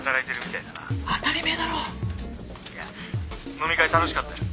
☎いや飲み会楽しかったよ。